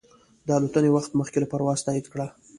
د الوتنې وخت مخکې له پروازه تایید کړه.